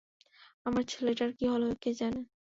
আমার ছেলেটার কী হলো কে জানে!